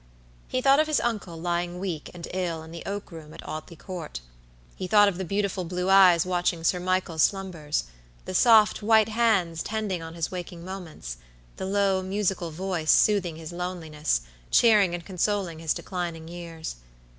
He thought of his uncle lying weak and ill in the oak room at Audley Court. He thought of the beautiful blue eyes watching Sir Michael's slumbers; the soft, white hands tending on his waking moments; the low musical voice soothing his loneliness, cheering and consoling his declining years.